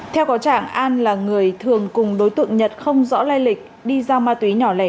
theo có trạng an là người thường cùng đối tượng nhật không rõ lai lịch đi giao ma túy nhỏ lẻ